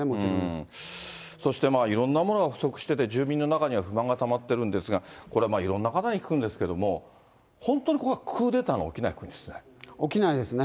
そして、いろんなものが不足してて、住民の中には不満がたまってるんですが、これ、いろんな方に聞くんですけれども、本当にここは、起きないですね。